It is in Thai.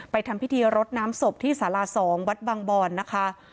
ทำพิธีรดน้ำศพที่สารา๒วัดบางบอนนะคะ